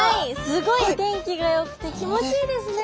すごい天気がよくて気持ちいいですね。